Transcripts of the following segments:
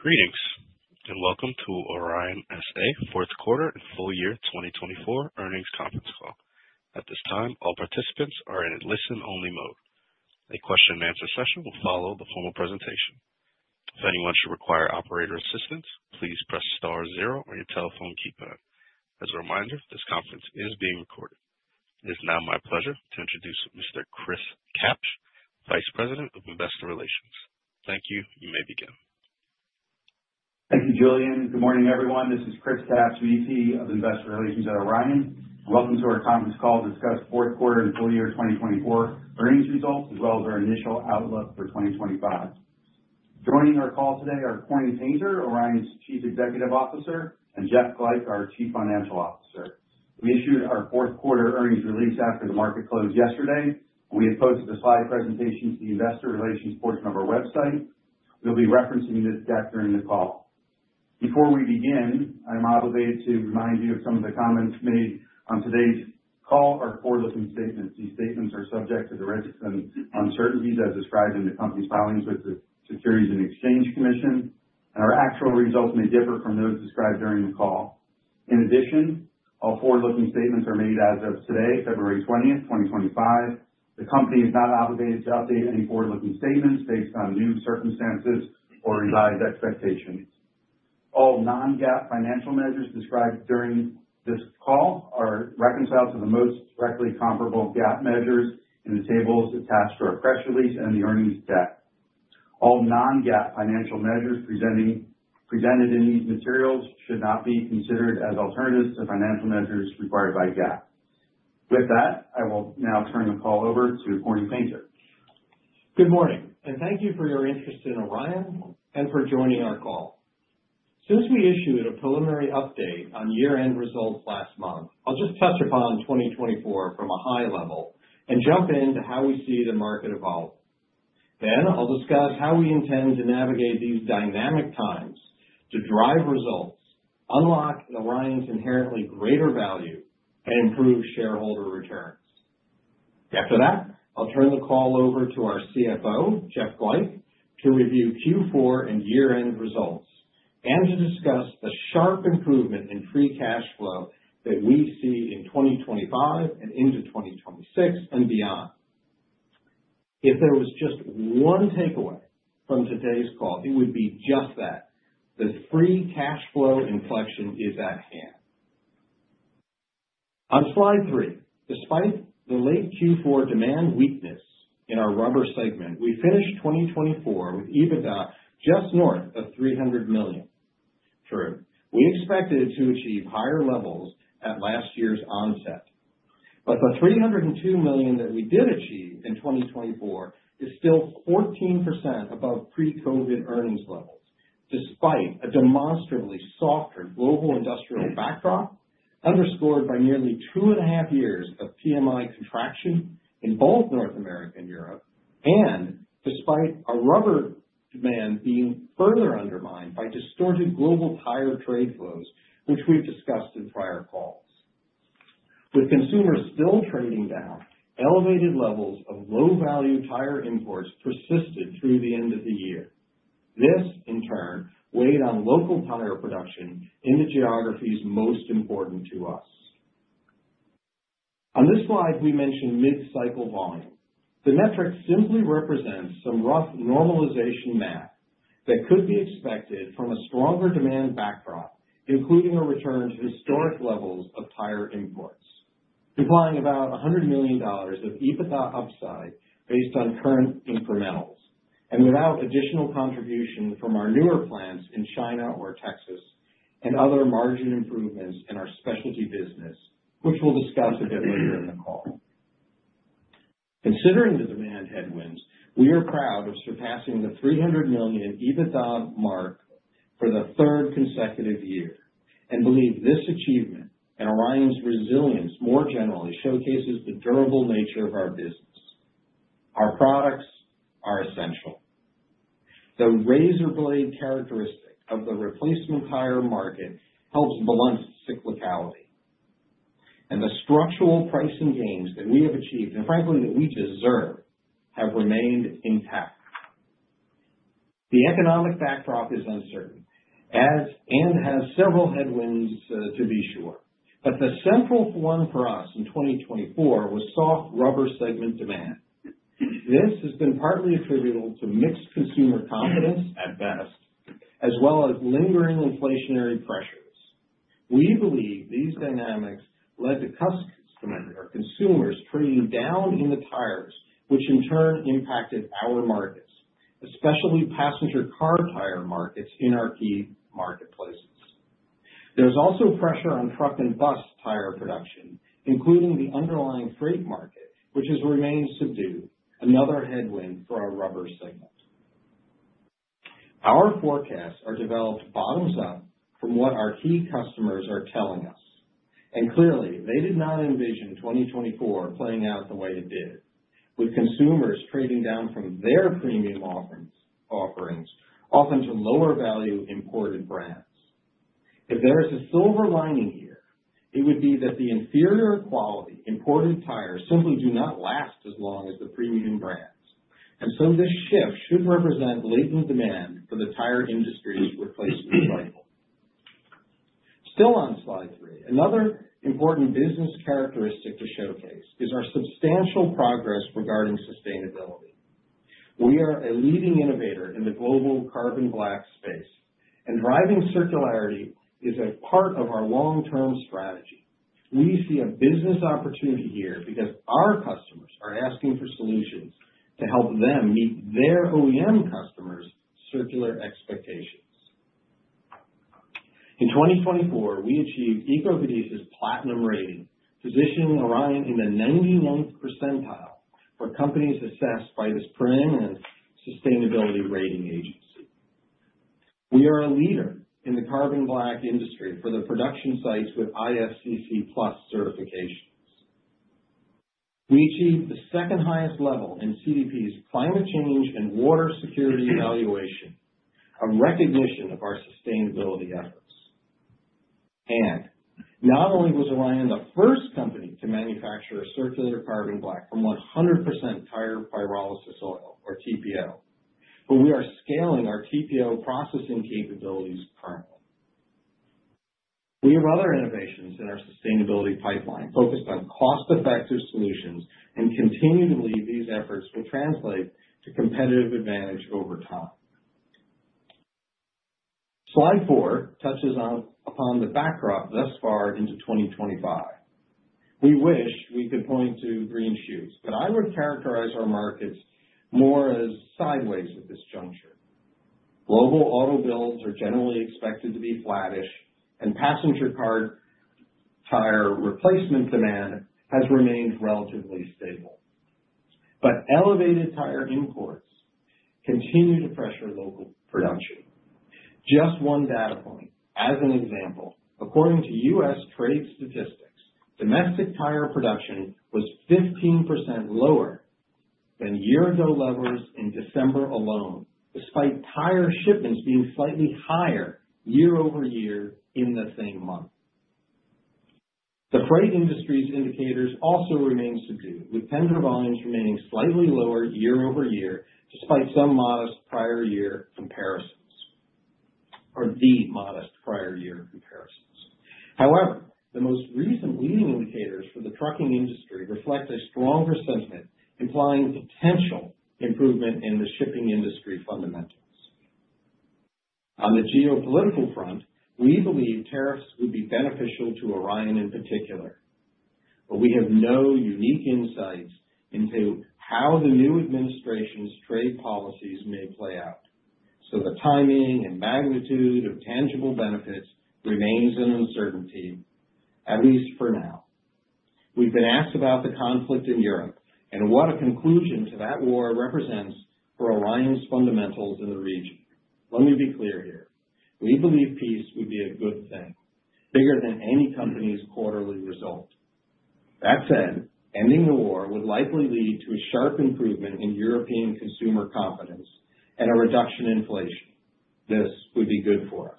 Greetings and welcome to Orion S.A. Fourth Quarter and Full Year 2024 Earnings Conference Call. At this time, all participants are in listen-only mode. A question-and-answer session will follow the formal presentation. If anyone should require operator assistance, please press star zero on your telephone keypad. As a reminder, this conference is being recorded. It is now my pleasure to introduce Mr. Chris Kapsch, Vice President of Investor Relations. Thank you. You may begin.. Thank you, Julian. Good morning, everyone. This is Chris Kapsch, VP of Investor Relations at Orion. Welcome to our conference call to discuss Fourth Quarter and Full Year 2024 earnings results, as well as our initial outlook for 2025. Joining our call today are Corning Painter, Orion's Chief Executive Officer, and Jeff Glajch, our Chief Financial Officer. We issued our Fourth Quarter earnings release after the market closed yesterday, and we have posted a slide presentation to the Investor Relations portion of our website. We'll be referencing this deck during the call. Before we begin, I'm obligated to remind you of some of the comments made on today's call are forward-looking statements. These statements are subject to the risks and uncertainties as described in the company's filings with the Securities and Exchange Commission, and our actual results may differ from those described during the call. In addition, all forward-looking statements are made as of today, February 20th, 2025. The company is not obligated to update any forward-looking statements based on new circumstances or revised expectations. All non-GAAP financial measures described during this call are reconciled to the most directly comparable GAAP measures in the tables attached to our press release and the earnings deck. All non-GAAP financial measures presented in these materials should not be considered as alternatives to financial measures required by GAAP. With that, I will now turn the call over to Corning Painter. Good morning, and thank you for your interest in Orion and for joining our call. Since we issued a preliminary update on year-end results last month, I'll just touch upon 2024 from a high level and jump into how we see the market evolve. Then I'll discuss how we intend to navigate these dynamic times to drive results, unlock Orion's inherently greater value, and improve shareholder returns. After that, I'll turn the call over to our CFO, Jeff Glajch, to review Q4 and year-end results and to discuss the sharp improvement in free cash flow that we see in 2025 and into 2026 and beyond. If there was just one takeaway from today's call, it would be just that: the free cash flow inflection is at hand. On slide three, despite the late Q4 demand weakness in our rubber segment, we finished 2024 with EBITDA just north of $300 million. True, we expected to achieve higher levels at last year's onset, but the $302 million that we did achieve in 2024 is still 14% above pre-COVID earnings levels, despite a demonstrably softer global industrial backdrop underscored by nearly two and a half years of PMI contraction in both North America and Europe, and despite a rubber demand being further undermined by distorted global tire trade flows, which we've discussed in prior calls. With consumers still trading down, elevated levels of low-value tire imports persisted through the end of the year. This, in turn, weighed on local tire production in the geographies most important to us. On this slide, we mentioned mid-cycle volume. The metric simply represents some rough normalization math that could be expected from a stronger demand backdrop, including a return to historic levels of tire imports, implying about $100 million of EBITDA upside based on current incrementals and without additional contribution from our newer plants in China or Texas and other margin improvements in our specialty business, which we'll discuss a bit later in the call. Considering the demand headwinds, we are proud of surpassing the $300 million EBITDA mark for the third consecutive year and believe this achievement and Orion's resilience more generally showcases the durable nature of our business. Our products are essential. The razor-blade characteristic of the replacement tire market helps balance cyclicality, and the structural pricing gains that we have achieved, and frankly, that we deserve, have remained intact. The economic backdrop is uncertain and has several headwinds, to be sure, but the central one for us in 2024 was soft rubber segment demand. This has been partly attributable to mixed consumer confidence at best, as well as lingering inflationary pressures. We believe these dynamics led to customer demand, or consumers trading down in the tires, which in turn impacted our markets, especially passenger car tire markets in our key marketplaces. There's also pressure on truck and bus tire production, including the underlying freight market, which has remained subdued, another headwind for our rubber segment. Our forecasts are developed bottoms-up from what our key customers are telling us, and clearly, they did not envision 2024 playing out the way it did, with consumers trading down from their premium offerings, often to lower-value imported brands. If there is a silver lining here, it would be that the inferior quality imported tires simply do not last as long as the premium brands, and so this shift should represent latent demand for the tire industry's replacement cycle. Still on slide three, another important business characteristic to showcase is our substantial progress regarding sustainability. We are a leading innovator in the global carbon black space, and driving circularity is a part of our long-term strategy. We see a business opportunity here because our customers are asking for solutions to help them meet their OEM customers' circular expectations. In 2024, we achieved EcoVadis's Platinum rating, positioning Orion in the 99th percentile for companies assessed by EcoVadis. We are a leader in the carbon black industry for the production sites with ISCC Plus certifications. We achieved the second-highest level in CDP's Climate Change and Water Security Evaluation, a recognition of our sustainability efforts, and not only was Orion the first company to manufacture a circular carbon black from 100% tire pyrolysis oil, or TPO, but we are scaling our TPO processing capabilities currently. We have other innovations in our sustainability pipeline focused on cost-effective solutions and continue to believe these efforts will translate to competitive advantage over time. Slide four touches upon the backdrop thus far into 2025. We wish we could point to green shoots, but I would characterize our markets more as sideways at this juncture. Global auto builds are generally expected to be flattish, and passenger car tire replacement demand has remained relatively stable, but elevated tire imports continue to pressure local production. Just one data point, as an example, according to U.S. Trade statistics, domestic tire production was 15% lower than year-ago levels in December alone, despite tire shipments being slightly higher year-over-year in the same month. The freight industry's indicators also remain subdued, with tender volumes remaining slightly lower year-over-year, despite some modest prior-year comparisons, or the modest prior-year comparisons. However, the most recent leading indicators for the trucking industry reflect a stronger sentiment, implying potential improvement in the shipping industry fundamentals. On the geopolitical front, we believe tariffs would be beneficial to Orion in particular, but we have no unique insights into how the new administration's trade policies may play out, so the timing and magnitude of tangible benefits remains an uncertainty, at least for now. We've been asked about the conflict in Europe and what a conclusion to that war represents for Orion's fundamentals in the region. Let me be clear here. We believe peace would be a good thing, bigger than any company's quarterly result. That said, ending the war would likely lead to a sharp improvement in European consumer confidence and a reduction in inflation. This would be good for us.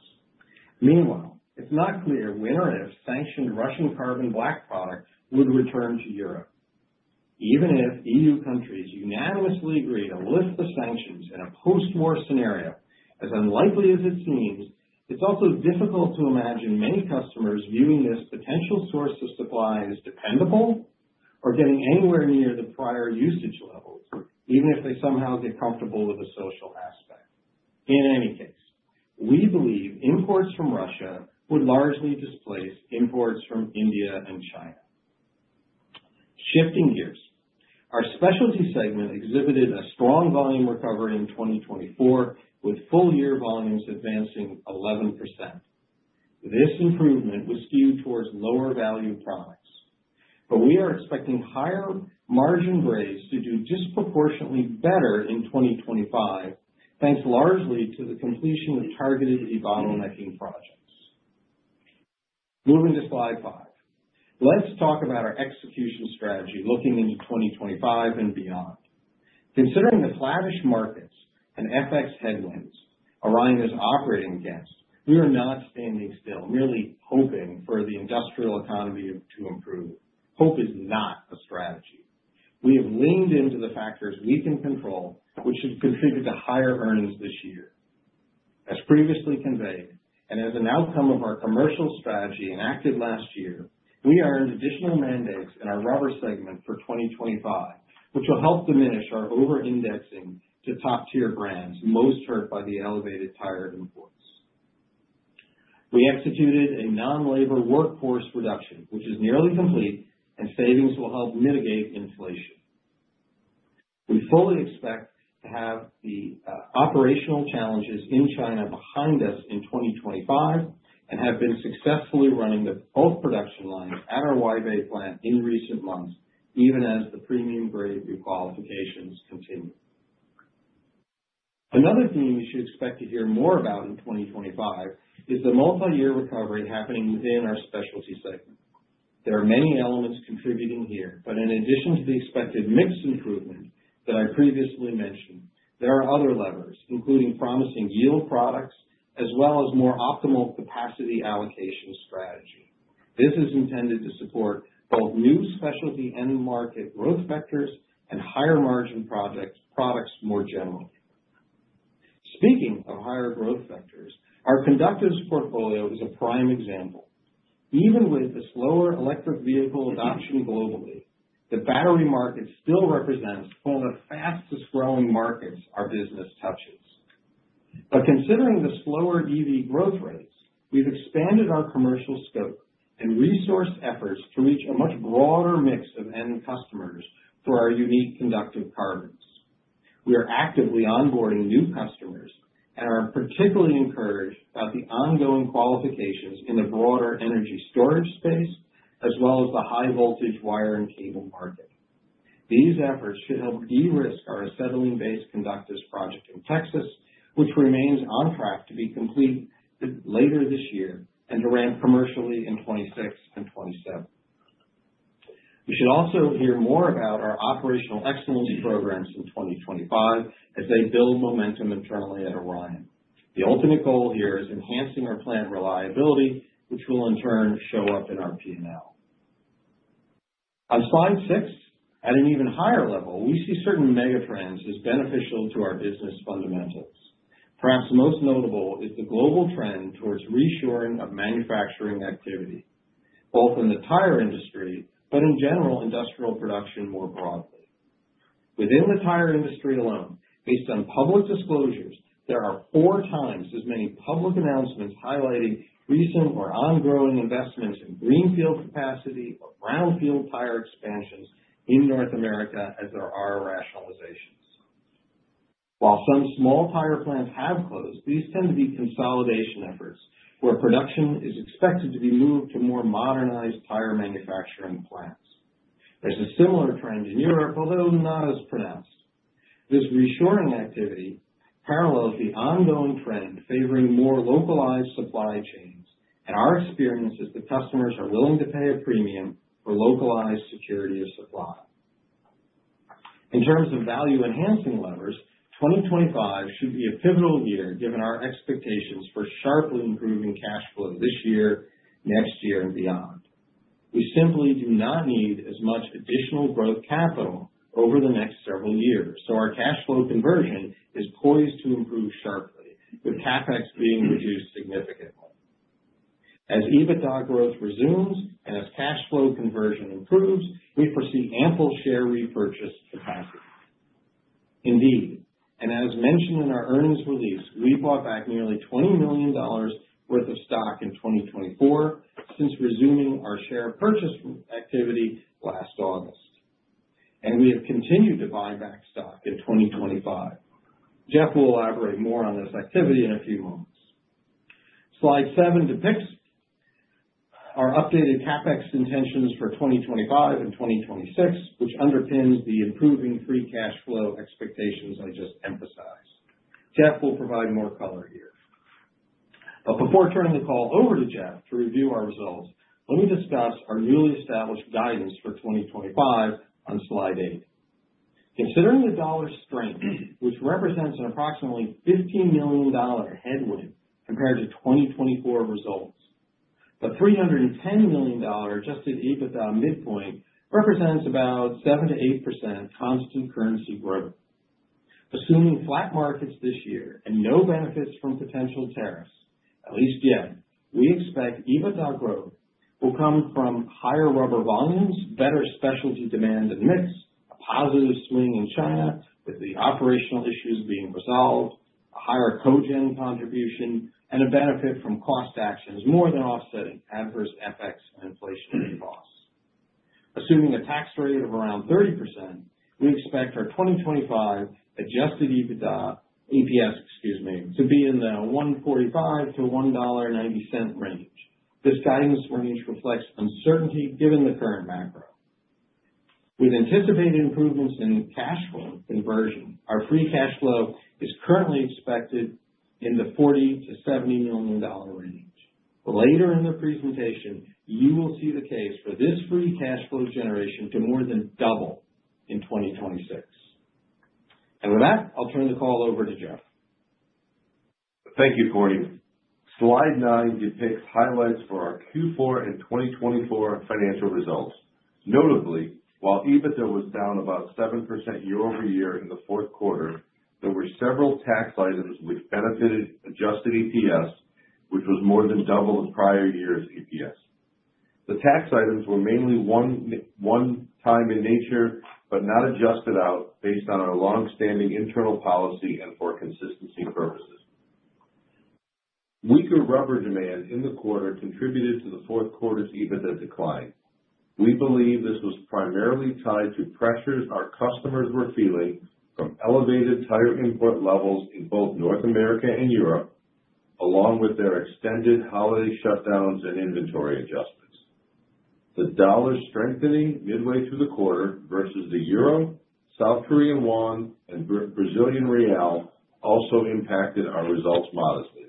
Meanwhile, it's not clear when or if sanctioned Russian carbon black product would return to Europe. Even if EU countries unanimously agree to lift the sanctions in a post-war scenario, as unlikely as it seems, it's also difficult to imagine many customers viewing this potential source of supply as dependable or getting anywhere near the prior usage levels, even if they somehow get comfortable with the social aspect. In any case, we believe imports from Russia would largely displace imports from India and China. Shifting gears, our specialty segment exhibited a strong volume recovery in 2024, with full-year volumes advancing 11%. This improvement was skewed towards lower-value products, but we are expecting higher margin grades to do disproportionately better in 2025, thanks largely to the completion of targeted debottlenecking projects. Moving to slide five, let's talk about our execution strategy looking into 2025 and beyond. Considering the flattish markets and FX headwinds Orion is operating against, we are not standing still, merely hoping for the industrial economy to improve. Hope is not a strategy. We have leaned into the factors we can control, which should contribute to higher earnings this year. As previously conveyed, and as an outcome of our commercial strategy enacted last year, we earned additional mandates in our rubber segment for 2025, which will help diminish our over-indexing to top-tier brands most hurt by the elevated tire imports. We executed a non-labor workforce reduction, which is nearly complete, and savings will help mitigate inflation. We fully expect to have the operational challenges in China behind us in 2025 and have been successfully running both production lines at our Huaibei plant in recent months, even as the premium grade requalifications continue. Another theme you should expect to hear more about in 2025 is the multi-year recovery happening within our specialty segment. There are many elements contributing here, but in addition to the expected mixed improvement that I previously mentioned, there are other levers, including promising yield products as well as more optimal capacity allocation strategy. This is intended to support both new specialty end-market growth vectors and higher-margin products more generally. Speaking of higher growth vectors, our conductive portfolio is a prime example. Even with the slower electric vehicle adoption globally, the battery market still represents one of the fastest-growing markets our business touches. But considering the slower EV growth rates, we've expanded our commercial scope and resourced efforts to reach a much broader mix of end customers for our unique conductive carbons. We are actively onboarding new customers and are particularly encouraged about the ongoing qualifications in the broader energy storage space as well as the high-voltage wire and cable market. These efforts should help de-risk our acetylene-based conductive project in Texas, which remains on track to be complete later this year and to ramp commercially in 2026 and 2027. We should also hear more about our operational excellence programs in 2025 as they build momentum internally at Orion. The ultimate goal here is enhancing our plant reliability, which will in turn show up in our P&L. On slide six, at an even higher level, we see certain megatrends as beneficial to our business fundamentals. Perhaps most notable is the global trend towards reshoring of manufacturing activity, both in the tire industry but in general industrial production more broadly. Within the tire industry alone, based on public disclosures, there are 4x as many public announcements highlighting recent or ongoing investments in greenfield capacity or brownfield tire expansions in North America as there are rationalizations. While some small tire plants have closed, these tend to be consolidation efforts where production is expected to be moved to more modernized tire manufacturing plants. There's a similar trend in Europe, although not as pronounced. This reshoring activity parallels the ongoing trend favoring more localized supply chains, and our experience is that customers are willing to pay a premium for localized security of supply. In terms of value-enhancing levers, 2025 should be a pivotal year given our expectations for sharply improving cash flow this year, next year, and beyond. We simply do not need as much additional growth capital over the next several years, so our cash flow conversion is poised to improve sharply, with CapEx being reduced significantly. As EBITDA growth resumes and as cash flow conversion improves, we foresee ample share repurchase capacity. Indeed, and as mentioned in our earnings release, we bought back nearly $20 million worth of stock in 2024 since resuming our share purchase activity last August, and we have continued to buy back stock in 2025. Jeff will elaborate more on this activity in a few moments. Slide seven depicts our updated CapEx intentions for 2025 and 2026, which underpins the improving free cash flow expectations I just emphasized. Jeff will provide more color here. But before turning the call over to Jeff to review our results, let me discuss our newly established guidance for 2025 on slide eight. Considering the dollar strength, which represents an approximately $15 million headwind compared to 2024 results, the $310 million adjusted EBITDA midpoint represents about 7%-8% constant currency growth. Assuming flat markets this year and no benefits from potential tariffs, at least yet, we expect EBITDA growth will come from higher rubber volumes, better specialty demand and mix, a positive swing in China with the operational issues being resolved, a higher Cogen contribution, and a benefit from cost actions more than offsetting adverse FX and inflationary costs. Assuming a tax rate of around 30%, we expect our 2025 adjusted EBITDA EPS, excuse me, to be in the $1.45-$1.90 range. This guidance range reflects uncertainty given the current macro. With anticipated improvements in cash flow conversion, our free cash flow is currently expected in the $40 million-$70 million range. Later in the presentation, you will see the case for this free cash flow generation to more than double in 2026. And with that, I'll turn the call over to Jeff. Thank you, Corning. Slide nine depicts highlights for our Q4 and 2024 financial results. Notably, while EBITDA was down about 7% year-over-year in the fourth quarter, there were several tax items which benefited adjusted EPS, which was more than double the prior year's EPS. The tax items were mainly one-time in nature, but not adjusted out based on our longstanding internal policy and for consistency purposes. Weaker rubber demand in the quarter contributed to the fourth quarter's EBITDA decline. We believe this was primarily tied to pressures our customers were feeling from elevated tire import levels in both North America and Europe, along with their extended holiday shutdowns and inventory adjustments. The dollar strengthening midway through the quarter versus the euro, South Korean won, and Brazilian real also impacted our results modestly.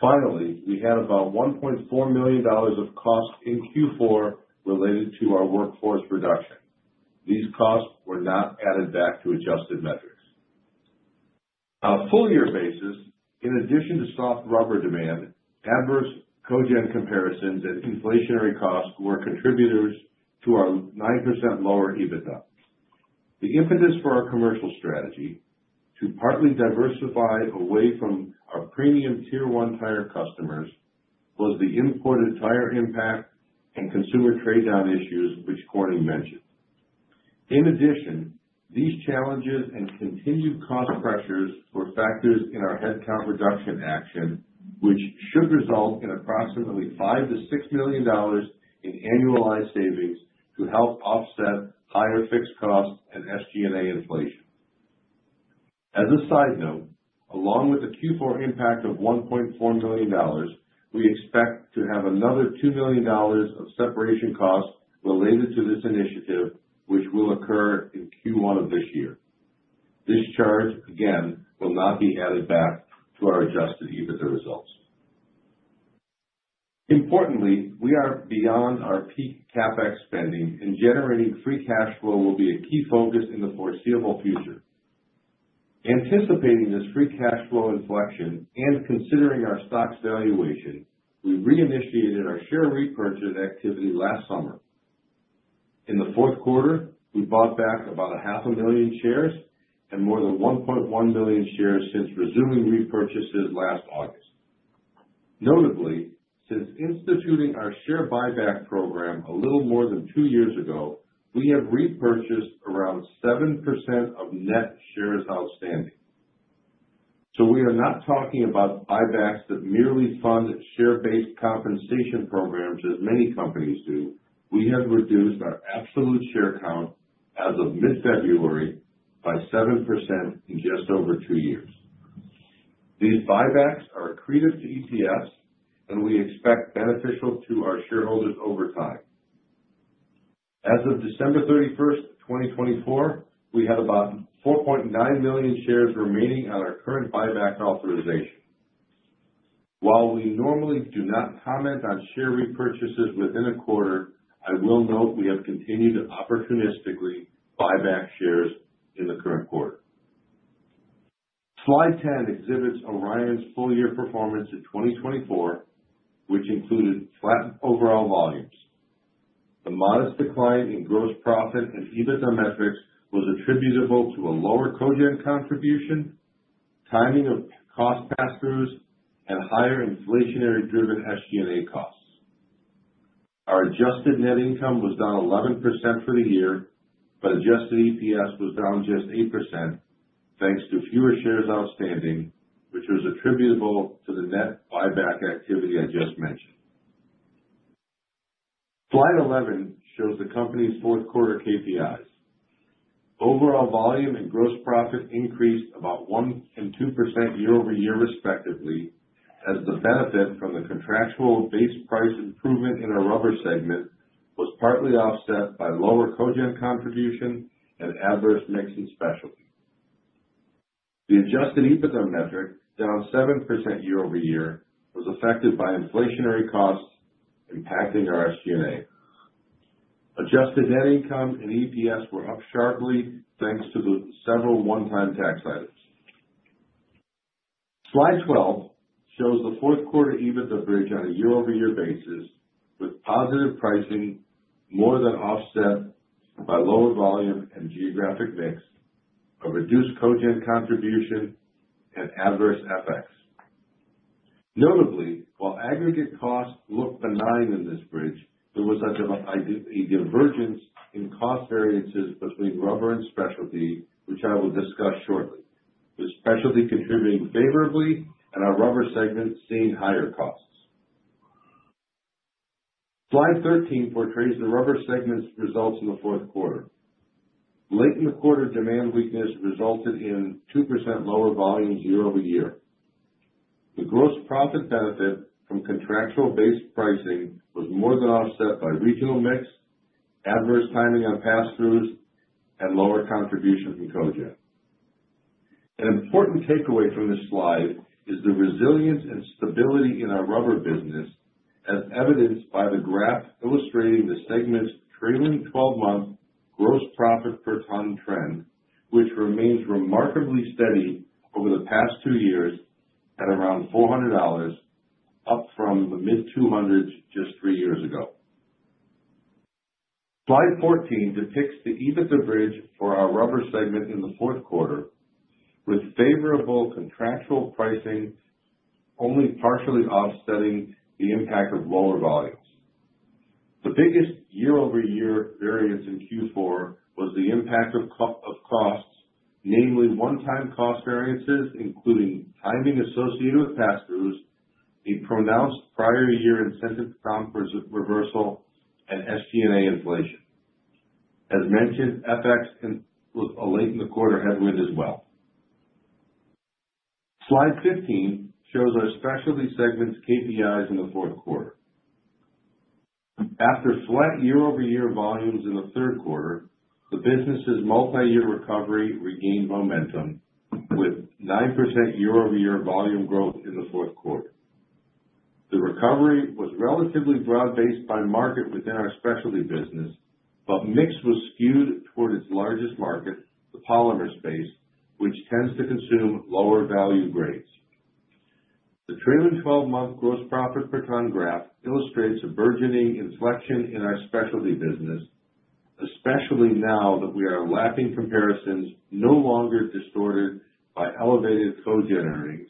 Finally, we had about $1.4 million of costs in Q4 related to our workforce reduction. These costs were not added back to adjusted metrics. On a full-year basis, in addition to soft rubber demand, adverse Cogen comparisons and inflationary costs were contributors to our 9% lower EBITDA. The impetus for our commercial strategy to partly diversify away from our premium tier-one tire customers was the imported tire impact and consumer trade-down issues, which Corning mentioned. In addition, these challenges and continued cost pressures were factors in our headcount reduction action, which should result in approximately $5 million-$6 million in annualized savings to help offset higher fixed costs and SG&A inflation. As a side note, along with the Q4 impact of $1.4 million, we expect to have another $2 million of separation costs related to this initiative, which will occur in Q1 of this year. This charge, again, will not be added back to our adjusted EBITDA results. Importantly, we are beyond our peak CapEx spending, and generating free cash flow will be a key focus in the foreseeable future. Anticipating this free cash flow inflection and considering our stock's valuation, we reinitiated our share repurchase activity last summer. In the fourth quarter, we bought back about 500,000 shares and more than 1.1 million shares since resuming repurchases last August. Notably, since instituting our share buyback program a little more than two years ago, we have repurchased around 7% of net shares outstanding. So we are not talking about buybacks that merely fund share-based compensation programs as many companies do. We have reduced our absolute share count as of mid-February by 7% in just over two years. These buybacks are accretive to EPS, and we expect beneficial to our shareholders over time. As of December 31st, 2024, we had about 4.9 million shares remaining on our current buyback authorization. While we normally do not comment on share repurchases within a quarter, I will note we have continued to opportunistically buyback shares in the current quarter. Slide 10 exhibits Orion's full-year performance in 2024, which included flat overall volumes. The modest decline in gross profit and EBITDA metrics was attributable to a lower Cogen contribution, timing of cost pass-throughs, and higher inflationary-driven SG&A costs. Our adjusted net income was down 11% for the year, but adjusted EPS was down just 8%, thanks to fewer shares outstanding, which was attributable to the net buyback activity I just mentioned. Slide 11 shows the company's fourth quarter KPIs. Overall volume and gross profit increased about one and 2% year-over-year respectively, as the benefit from the contractual base price improvement in our rubber segment was partly offset by lower Cogen contribution and adverse mix and specialty. The adjusted EBITDA metric, down 7% year-over-year, was affected by inflationary costs impacting our SG&A. Adjusted net income and EPS were up sharply, thanks to the several one-time tax items. Slide 12 shows the fourth quarter EBITDA bridge on a year-over-year basis, with positive pricing more than offset by lower volume and geographic mix, a reduced Cogen contribution, and adverse FX. Notably, while aggregate costs look benign in this bridge, there was a divergence in cost variances between rubber and specialty, which I will discuss shortly. The specialty contributing favorably, and our rubber segment seeing higher costs. Slide 13 portrays the rubber segment's results in the fourth quarter. Late in the quarter, demand weakness resulted in 2% lower volume year-over-year. The gross profit benefit from contractual-based pricing was more than offset by regional mix, adverse timing on pass-throughs, and lower contribution from Cogen. An important takeaway from this slide is the resilience and stability in our rubber business, as evidenced by the graph illustrating the segment's trailing 12-month gross profit per ton trend, which remains remarkably steady over the past two years at around $400, up from the mid-$200s just three years ago. Slide 14 depicts the EBITDA bridge for our rubber segment in the fourth quarter, with favorable contractual pricing only partially offsetting the impact of lower volumes. The biggest year-over-year variance in Q4 was the impact of costs, namely one-time cost variances, including timing associated with pass-throughs, a pronounced prior year incentive comp reversal, and SG&A inflation. As mentioned, FX was a late in the quarter headwind as well. Slide 15 shows our specialty segment's KPIs in the fourth quarter. After flat year-over-year volumes in the third quarter, the business's multi-year recovery regained momentum, with 9% year-over-year volume growth in the fourth quarter. The recovery was relatively broad-based by market within our specialty business, but mix was skewed toward its largest market, the polymer space, which tends to consume lower value grades. The trailing 12-month gross profit per ton graph illustrates a burgeoning inflection in our specialty business, especially now that we are lapping comparisons no longer distorted by elevated Cogen earnings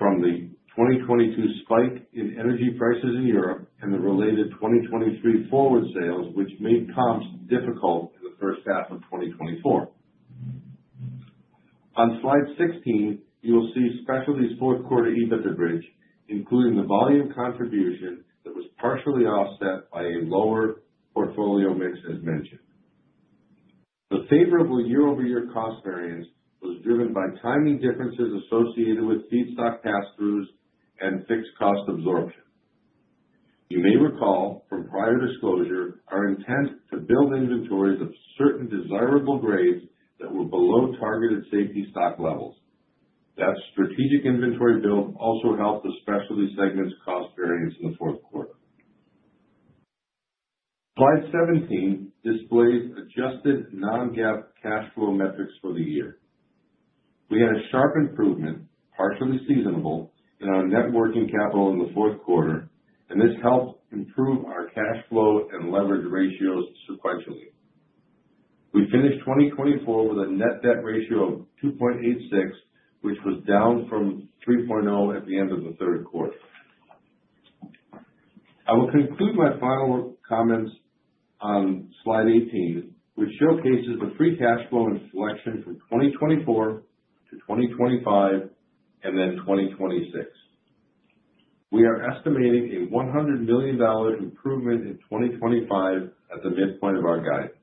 from the 2022 spike in energy prices in Europe and the related 2023 forward sales, which made comps difficult in the first half of 2024. On slide 16, you will see specialty's fourth quarter EBITDA bridge, including the volume contribution that was partially offset by a lower portfolio mix, as mentioned. The favorable year-over-year cost variance was driven by timing differences associated with feedstock pass-throughs and fixed cost absorption. You may recall from prior disclosure our intent to build inventories of certain desirable grades that were below targeted safety stock levels. That strategic inventory build also helped the specialty segment's cost variance in the fourth quarter. Slide 17 displays adjusted non-GAAP cash flow metrics for the year. We had a sharp improvement, partially seasonal, in our net working capital in the fourth quarter, and this helped improve our cash flow and leverage ratios sequentially. We finished 2024 with a net debt ratio of 2.86, which was down from 3.0 at the end of the third quarter. I will conclude my final comments on slide 18, which showcases the free cash flow inflection from 2024 to 2025 and then 2026. We are estimating a $100 million improvement in 2025 at the midpoint of our guidance.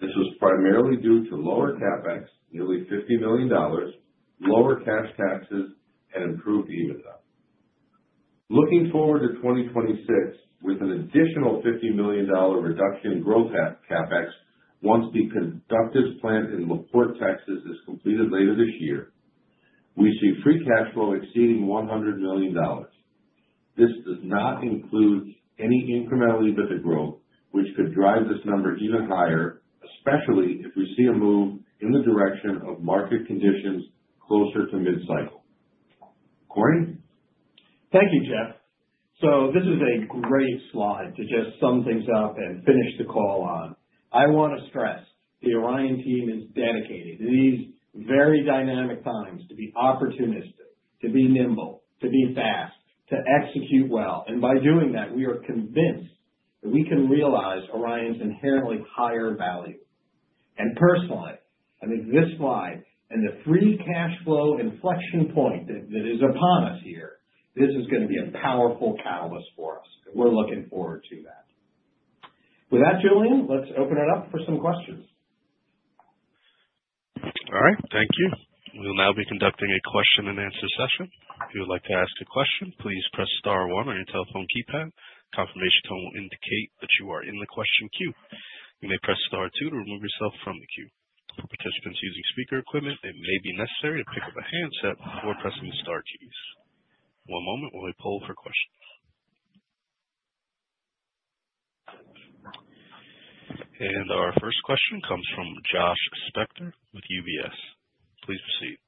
This was primarily due to lower CapEx, nearly $50 million, lower cash taxes, and improved EBITDA. Looking forward to 2026, with an additional $50 million reduction in gross CapEx once the conductive plant in La Porte, Texas, is completed later this year, we see free cash flow exceeding $100 million. This does not include any incremental EBITDA growth, which could drive this number even higher, especially if we see a move in the direction of market conditions closer to mid-cycle. Corning? Thank you, Jeff. So this is a great slide to just sum things up and finish the call on. I want to stress the Orion team is dedicated in these very dynamic times to be opportunistic, to be nimble, to be fast, to execute well. And by doing that, we are convinced that we can realize Orion's inherently higher value. And personally, I think this slide and the free cash flow inflection point that is upon us here, this is going to be a powerful catalyst for us. We're looking forward to that. With that, Julian, let's open it up for some questions. All right. Thank you. We will now be conducting a question-and-answer session. If you would like to ask a question, please press star one on your telephone keypad. Confirmation will indicate that you are in the question queue. You may press star two to remove yourself from the queue. For participants using speaker equipment, it may be necessary to pick up a handset before pressing the star keys. One moment while we pull for questions. Our first question comes from Josh Spector with UBS. Please proceed.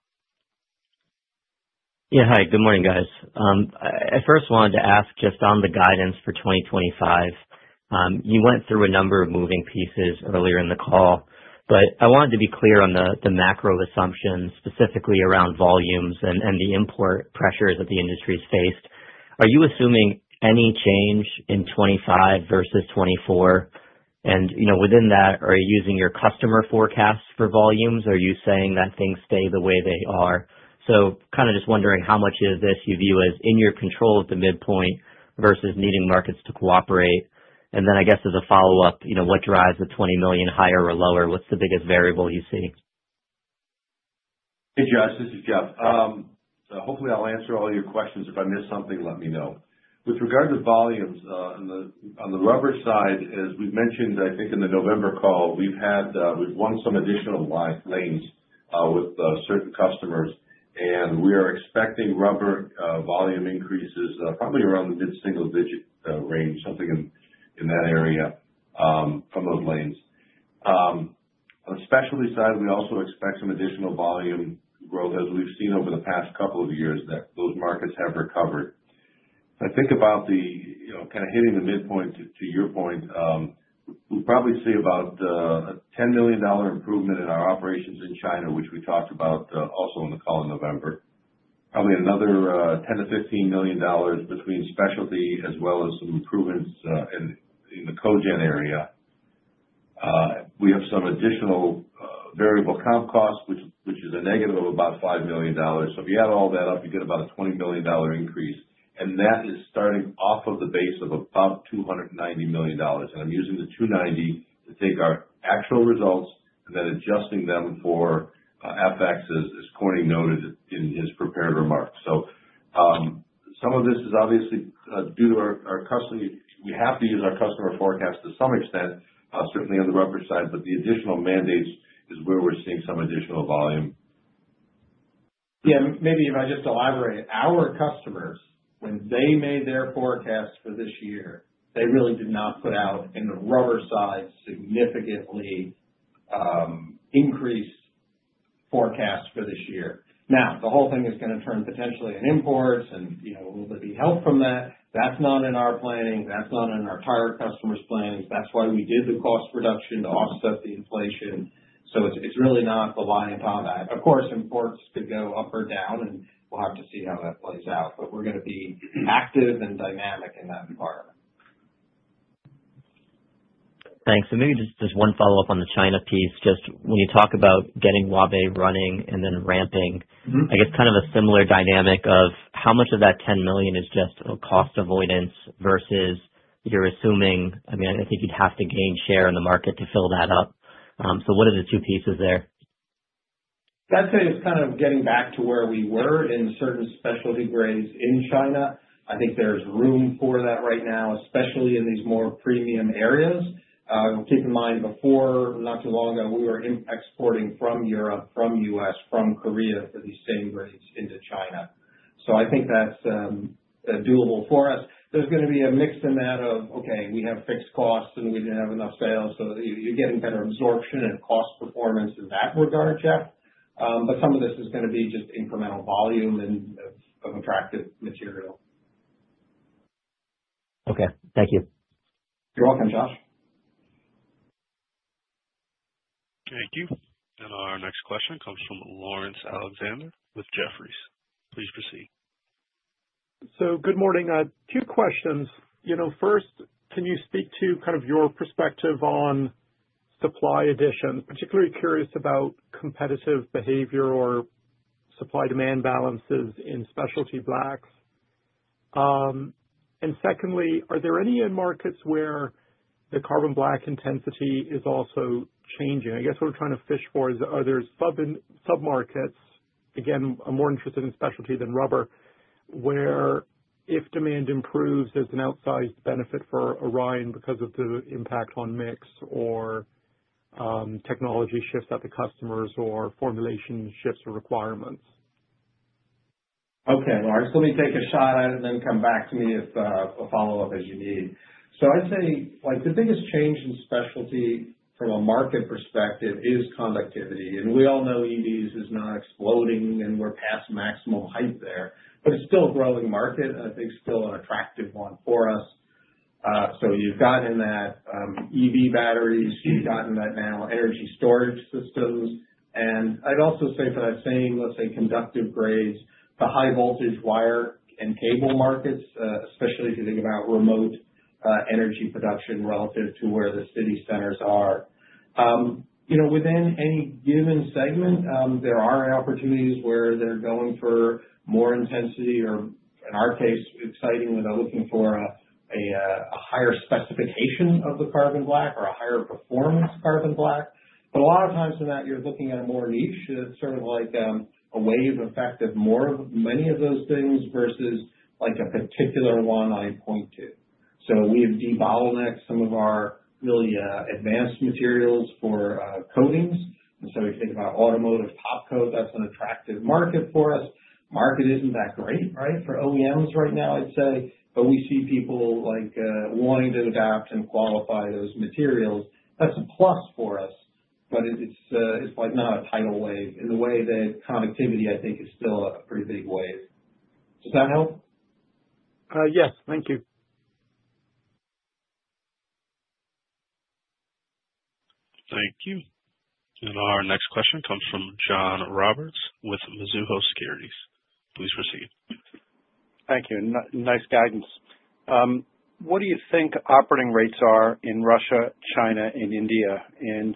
Yeah. Hi. Good morning, guys. I first wanted to ask just on the guidance for 2025. You went through a number of moving pieces earlier in the call, but I wanted to be clear on the macro assumptions, specifically around volumes and the import pressures that the industry has faced. Are you assuming any change in 2025 versus 2024? And within that, are you using your customer forecasts for volumes? Are you saying that things stay the way they are, so kind of just wondering how much of this you view as in your control at the midpoint versus needing markets to cooperate, and then I guess as a follow-up, what drives the $20 million higher or lower? What's the biggest variable you see? Hey, Josh. This is Jeff. Hopefully, I'll answer all your questions. If I miss something, let me know. With regard to volumes on the rubber side, as we've mentioned, I think in the November call, we've won some additional lanes with certain customers, and we are expecting rubber volume increases probably around the mid-single-digit range, something in that area from those lanes. On the specialty side, we also expect some additional volume growth, as we've seen over the past couple of years that those markets have recovered. I think about kind of hitting the midpoint to your point, we'll probably see about a $10 million improvement in our operations in China, which we talked about also in the call in November. Probably another $10 million-$15 million between specialty as well as some improvements in the Cogen area. We have some additional variable comp costs, which is a negative of about $5 million. So if you add all that up, you get about a $20 million increase, and that is starting off of the base of about $290 million. And I'm using the $290 million to take our actual results and then adjusting them for FX, as Corning noted in his prepared remarks. So some of this is obviously due to our customer. We have to use our customer forecast to some extent, certainly on the rubber side, but the additional mandates is where we're seeing some additional volume. Yeah. Maybe if I just elaborate, our customers, when they made their forecast for this year, they really did not put out in the rubber side significantly increased forecasts for this year. Now, the whole thing is going to turn potentially in imports and will be helped from that. That's not in our planning. That's not in our tire customers' plannings. That's why we did the cost reduction to offset the inflation. So it's really not relying on that. Of course, imports could go up or down, and we'll have to see how that plays out, but we're going to be active and dynamic in that environment. Thanks. And maybe just one follow-up on the China piece. Just when you talk about getting Huaibei running and then ramping, I guess kind of a similar dynamic of how much of that $10 million is just cost avoidance versus you're assuming, I mean, I think you'd have to gain share in the market to fill that up. So what are the two pieces there? I'd say it's kind of getting back to where we were in certain specialty grades in China. I think there's room for that right now, especially in these more premium areas. Keep in mind, before not too long ago, we were exporting from Europe, from U.S., from Korea for these same grades into China. So I think that's doable for us. There's going to be a mix in that of, okay, we have fixed costs and we didn't have enough sales, so you're getting better absorption and cost performance in that regard, Jeff. But some of this is going to be just incremental volume and of attractive material. Okay. Thank you. You're welcome, Josh. Thank you. And our next question comes from Laurence Alexander with Jefferies. Please proceed. So good morning. Two questions. First, can you speak to kind of your perspective on supply additions? Particularly curious about competitive behavior or supply-demand balances in specialty blacks. And secondly, are there any end markets where the carbon black intensity is also changing? I guess what we're trying to fish for is are there sub-markets, again, I'm more interested in specialty than rubber, where if demand improves, there's an outsized benefit for Orion because of the impact on mix or technology shifts at the customers or formulation shifts or requirements? Okay. All right. So let me take a shot at it and then come back to me with a follow-up as you need. So I'd say the biggest change in specialty from a market perspective is conductivity. And we all know EVs is not exploding and we're past maximum height there, but it's still a growing market and I think still an attractive one for us. So you've gotten that EV batteries, you've gotten that now energy storage systems. And I'd also say for that same, let's say, conductive grades, the high-voltage wire and cable markets, especially if you think about remote energy production relative to where the city centers are. Within any given segment, there are opportunities where they're going for more intensity or, in our case, exciting when they're looking for a higher specification of the carbon black or a higher performance carbon black. But a lot of times in that, you're looking at a more niche, sort of like a wave effect of many of those things versus a particular one I point to. So we have developed some of our really advanced materials for coatings. And so if you think about automotive top coat, that's an attractive market for us. Market isn't that great, right, for OEMs right now, I'd say, but we see people wanting to adapt and qualify those materials. That's a plus for us, but it's not a tidal wave in the way that conductivity, I think, is still a pretty big wave. Does that help? Yes. Thank you. Thank you. And our next question comes from John Roberts with Mizuho Securities. Please proceed. Thank you. Nice guidance. What do you think operating rates are in Russia, China, and India? And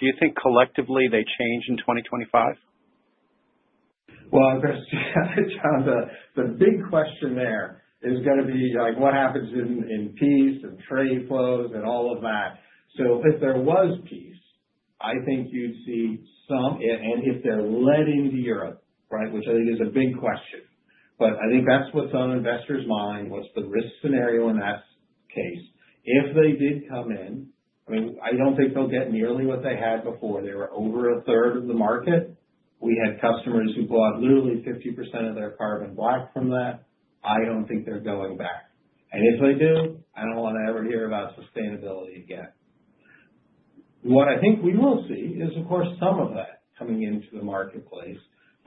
do you think collectively they change in 2025? The big question there is going to be what happens in case of peace and trade flows and all of that. If there was peace, I think you'd see some, and if they're letting them into Europe, right, which I think is a big question. But I think that's what's on investors' mind, what's the risk scenario in that case. If they did come in, I mean, I don't think they'll get nearly what they had before. They were over a third of the market. We had customers who bought literally 50% of their carbon black from that. I don't think they're going back. And if they do, I don't want to ever hear about sustainability again. What I think we will see is, of course, some of that coming into the marketplace,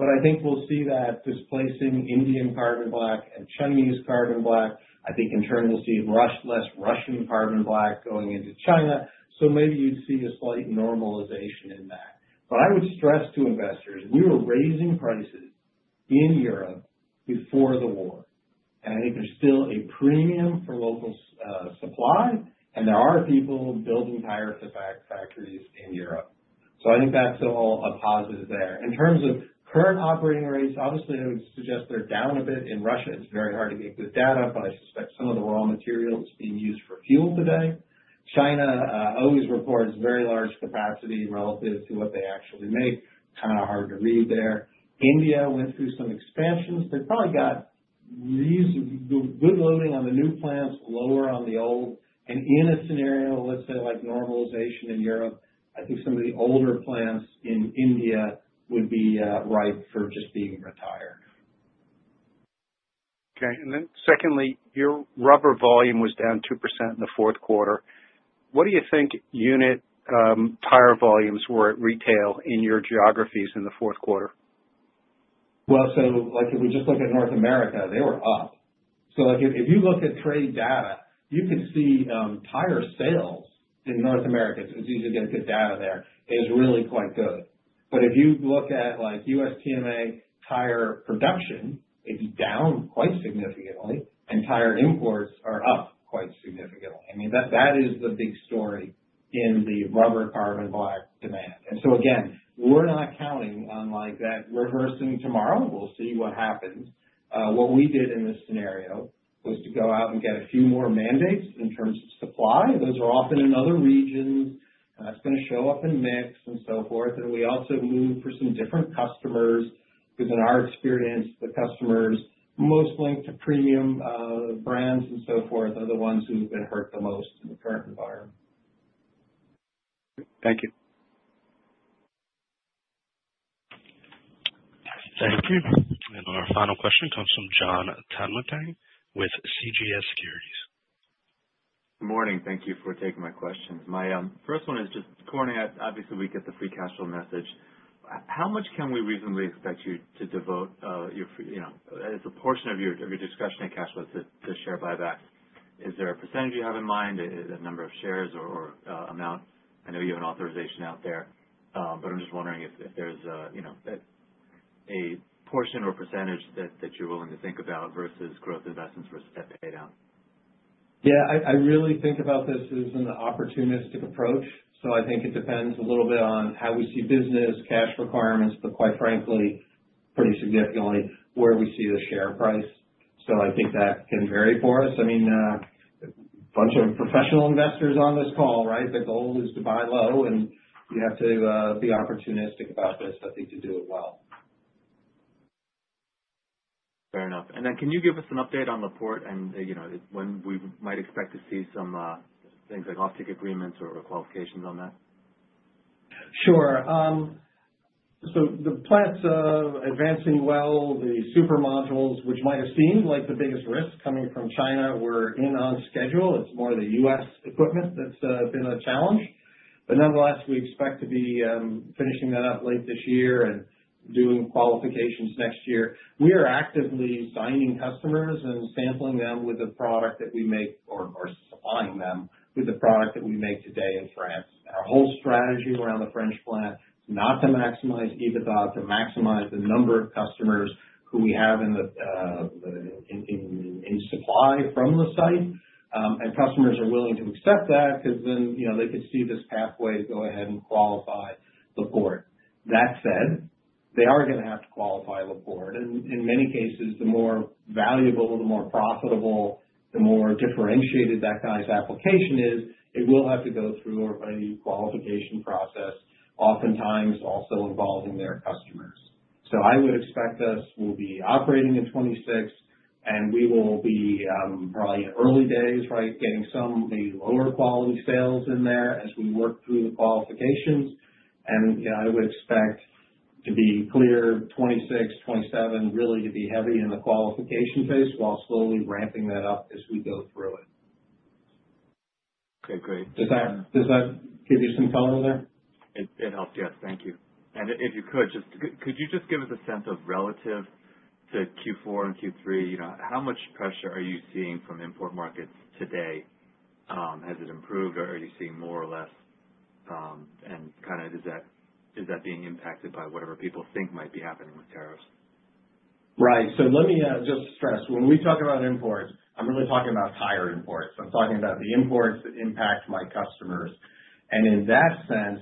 but I think we'll see that displacing Indian carbon black and Chinese carbon black. I think in turn, we'll see less Russian carbon black going into China. So maybe you'd see a slight normalization in that. But I would stress to investors, we were raising prices in Europe before the war. And I think there's still a premium for local supply, and there are people building tire factories in Europe. So I think that's all a positive there. In terms of current operating rates, obviously, I would suggest they're down a bit in Russia. It's very hard to get good data, but I suspect some of the raw material is being used for fuel today. China always reports very large capacity relative to what they actually make. Kind of hard to read there. India went through some expansions. They probably got good loading on the new plants, lower on the old. In a scenario, let's say, like normalization in Europe, I think some of the older plants in India would be ripe for just being retired. Okay. And then secondly, your rubber volume was down 2% in the fourth quarter. What do you think unit tire volumes were at retail in your geographies in the fourth quarter? Well, so if we just look at North America, they were up. So if you look at trade data, you can see tire sales in North America, as easy to get good data there, is really quite good. But if you look at USTMA tire production, it's down quite significantly, and tire imports are up quite significantly. I mean, that is the big story in the rubber carbon black demand. And so again, we're not counting on that reversing tomorrow. We'll see what happens. What we did in this scenario was to go out and get a few more mandates in terms of supply. Those are often in other regions. That's going to show up in mix and so forth. And we also moved for some different customers because in our experience, the customers most linked to premium brands and so forth are the ones who have been hurt the most in the current environment. Thank you. Thank you. Our final question comes from Jon Tanwanteng with CJS Securities. Good morning. Thank you for taking my questions. My first one is just, Corning, obviously, we get the free cash flow message. How much can we reasonably expect you to devote as a portion of your generation of cash flow to share buybacks? Is there a percentage you have in mind, a number of shares or amount? I know you have an authorization out there, but I'm just wondering if there's a portion or percentage that you're willing to think about versus growth investments versus debt paydown? Yeah. I really think about this as an opportunistic approach. So I think it depends a little bit on how we see business, cash requirements, but quite frankly, pretty significantly where we see the share price. So I think that can vary for us. I mean, a bunch of professional investors on this call, right? The goal is to buy low, and you have to be opportunistic about this, I think, to do it well. Fair enough. And then can you give us an update on La Porte and when we might expect to see some things like off-take agreements or qualifications on that? Sure. So the plants are advancing well. The super modules, which might have seemed like the biggest risk coming from China, were on schedule. It's more of the U.S. equipment that's been a challenge. But nonetheless, we expect to be finishing that up late this year and doing qualifications next year. We are actively signing customers and sampling them with the product that we make or supplying them with the product that we make today in France. Our whole strategy around the French plant is not to maximize utilization, to maximize the number of customers who we have in supply from the site. And customers are willing to accept that because then they could see this pathway to go ahead and qualify La Porte. That said, they are going to have to qualify La Porte. And in many cases, the more valuable, the more profitable, the more differentiated that guy's application is, it will have to go through a qualification process, oftentimes also involving their customers. So I would expect us will be operating in 2026, and we will be probably in early days, right, getting some maybe lower quality sales in there as we work through the qualifications. And I would expect to be clear 2026, 2027, really to be heavy in the qualification phase while slowly ramping that up as we go through it. Okay. Great. Does that give you some color there? It helped, yes. Thank you. And if you could, just could you just give us a sense of relative to Q4 and Q3, how much pressure are you seeing from import markets today? Has it improved, or are you seeing more or less? And kind of is that being impacted by whatever people think might be happening with tariffs? Right. So let me just stress. When we talk about imports, I'm really talking about tire imports. I'm talking about the imports that impact my customers. And in that sense,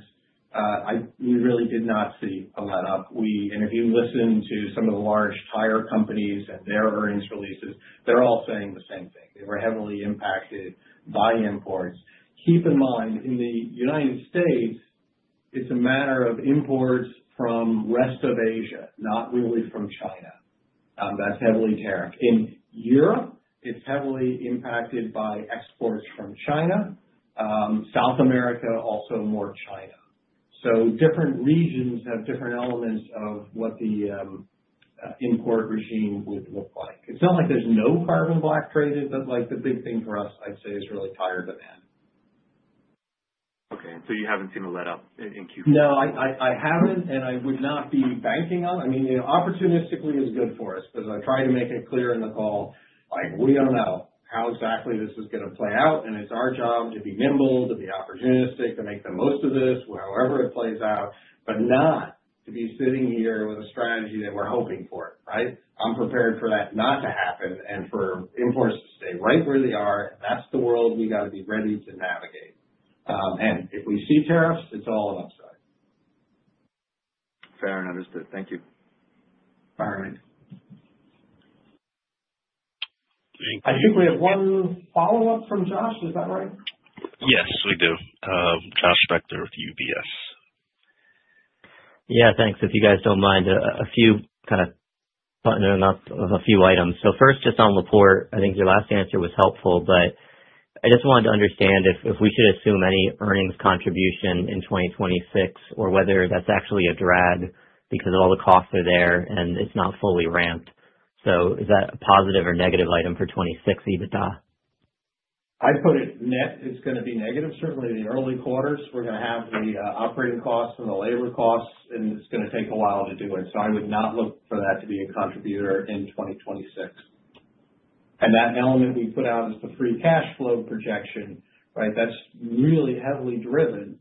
we really did not see a let-up. And if you listen to some of the large tire companies and their earnings releases, they're all saying the same thing. They were heavily impacted by imports. Keep in mind, in the United States, it's a matter of imports from rest of Asia, not really from China. That's heavily tariffed. In Europe, it's heavily impacted by exports from China. South America, also more China. So different regions have different elements of what the import regime would look like. It's not like there's no carbon black traded, but the big thing for us, I'd say, is really tire demand. Okay. So you haven't seen a let-up in Q4? No, I haven't, and I would not be banking on it. I mean, opportunistically is good for us because I try to make it clear in the call, we don't know how exactly this is going to play out, and it's our job to be nimble, to be opportunistic, to make the most of this however it plays out, but not to be sitting here with a strategy that we're hoping for, right? I'm prepared for that not to happen and for imports to stay right where they are. That's the world we got to be ready to navigate. And if we see tariffs, it's all an upside. Fair enough. Understood. Thank you. All right. Thank you. I think we have one follow-up from Josh. Is that right? Yes, we do. Josh Spector with UBS. Yeah. Thanks. If you guys don't mind, a few kind of buttoning up a few items. So first, just on the La Porte, I think your last answer was helpful, but I just wanted to understand if we should assume any earnings contribution in 2026 or whether that's actually a drag because of all the costs that are there and it's not fully ramped. So is that a positive or negative item for 2026, EBITDA? I'd put it net is going to be negative. Certainly, the early quarters, we're going to have the operating costs and the labor costs, and it's going to take a while to do it. So I would not look for that to be a contributor in 2026. That element we put out is the free cash flow projection, right? That's really heavily driven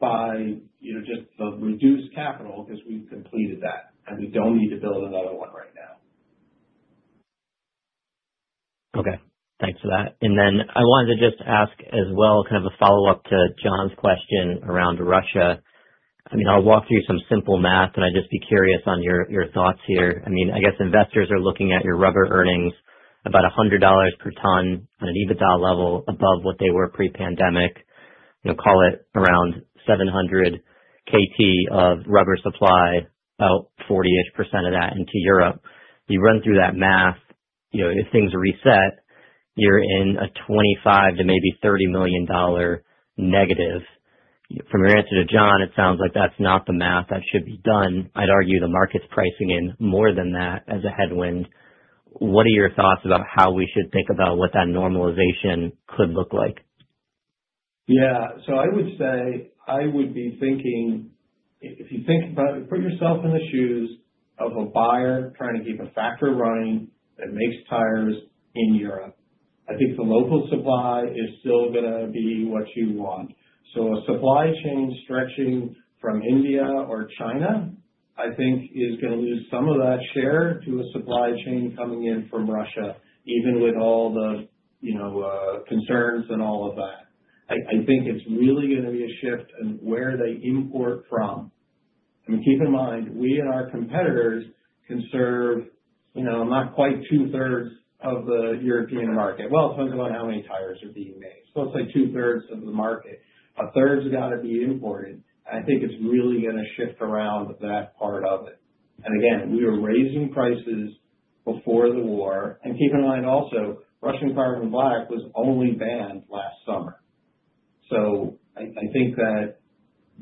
by just the reduced capital because we've completed that, and we don't need to build another one right now. Okay. Thanks for that. Then I wanted to just ask as well, kind of a follow-up to John's question around Russia. I mean, I'll walk through some simple math, and I'd just be curious on your thoughts here. I mean, I guess investors are looking at your rubber earnings, about $100 per ton on an EBITDA level above what they were pre-pandemic, call it around 700 KT of rubber supply, about 40-ish% of that into Europe. You run through that math, if things reset, you're in a -$25 million to maybe $30 million. From your answer to John, it sounds like that's not the math that should be done. I'd argue the market's pricing in more than that as a headwind. What are your thoughts about how we should think about what that normalization could look like? Yeah. So I would say I would be thinking, if you think about it, put yourself in the shoes of a buyer trying to keep a factory running that makes tires in Europe. I think the local supply is still going to be what you want. So a supply chain stretching from India or China, I think, is going to lose some of that share to a supply chain coming in from Russia, even with all the concerns and all of that. I think it's really going to be a shift in where they import from. I mean, keep in mind, we and our competitors control not quite two-thirds of the European market. It depends on how many tires are being made. Let's say two-thirds of the market. A third's got to be imported. I think it's really going to shift around that part of it. Again, we were raising prices before the war. Keep in mind also, Russian carbon black was only banned last summer. I think that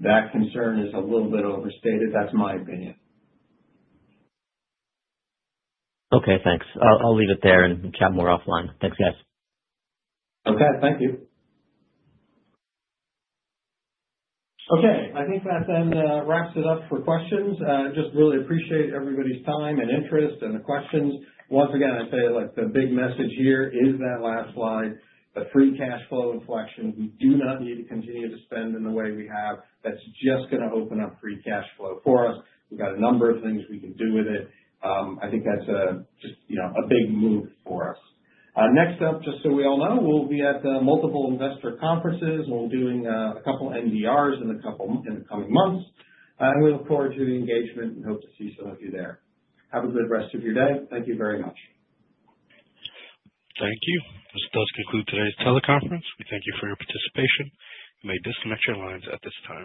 that concern is a little bit overstated. That's my opinion. Okay. Thanks. I'll leave it there and chat more offline. Thanks, guys. Okay. Thank you. Okay. I think that then wraps it up for questions. Just really appreciate everybody's time and interest and the questions. Once again, I'd say the big message here is that last slide, the free cash flow inflection. We do not need to continue to spend in the way we have. That's just going to open up free cash flow for us. We've got a number of things we can do with it. I think that's just a big move for us. Next up, just so we all know, we'll be at multiple investor conferences. We'll be doing a couple of NDRs in the coming months. And we look forward to the engagement and hope to see some of you there. Have a good rest of your day. Thank you very much. Thank you. This does conclude today's teleconference. We thank you for your participation. You may disconnect your lines at this time.